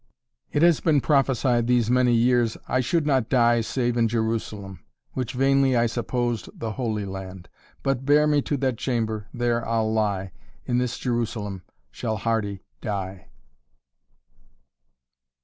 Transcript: "It has been prophesied these many years I should not die save in Jerusalem, Which vainly I supposed the Holy Land. But bear me to that chamber, there I'll lie, In this Jerusalem shall Hardy die."